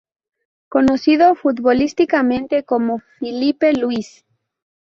Conocido futbolísticamente como Filipe Luís.